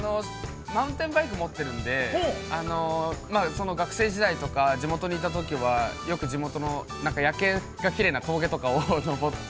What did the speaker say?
マウンテンバイクを持っているので、学生時代とか、地元にいたときは、よく地元の夜景がきれいな峠とかをのぼって。